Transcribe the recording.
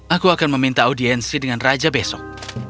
aku akan meminta audiensi dengan raja besok